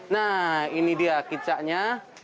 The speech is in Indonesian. nah ini dia kicaknya